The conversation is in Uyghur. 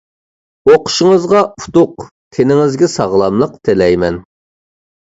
ئوقۇشىڭىزغا ئۇتۇق، تېنىڭىزگە ساغلاملىق تىلەيمەن.